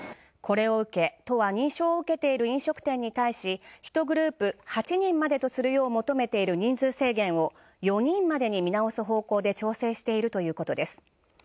これを受け認証を受けている飲食店に対し、１グループ８人までとするよう求めている人数制限を４人までに見直す方向で調整しているということです。